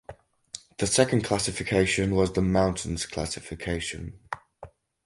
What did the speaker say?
The second classification was the mountains classification.